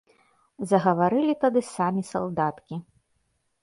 Загаварылі тады самі салдаткі.